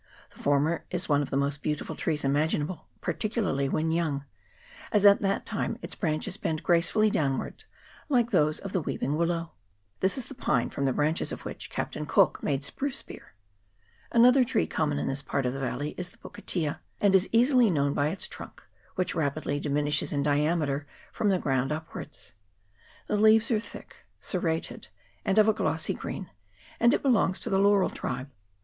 The former is one of the most beautiful trees imaginable, particularly when young, as at that time its branches bend gracefully downwards, like those of the weeping willow. This is the pine from the branches of which Captain Cook made spruce beer. Another tree common in this part of the valley is the pukatea, and is easily known by its trunk, which rapidly diminishes in diameter from the ground upwards. The leaves are thick, serrated, and of a glossy green, and it belongs to the laurel tribe.